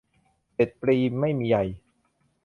เด็ดปลีไม่มีใย